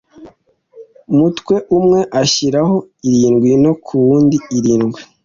mutwe umwe ashyiraho irindwi no ku wundi irindwi